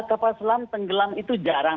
kapal selam tenggelam itu jarang